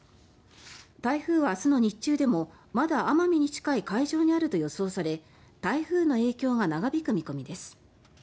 台風は明日の日中でもまだ奄美に近い海上にあると予想され台風の影響が長引く見込みです。